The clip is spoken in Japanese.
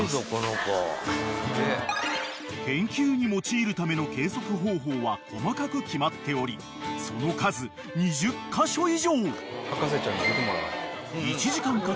［研究に用いるための計測方法は細かく決まっておりその数２０カ所以上］［１時間かけ丁寧に計測］